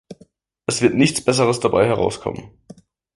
Es wird nichts Besseres dabei herauskommen.